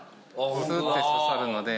スッて刺さるので。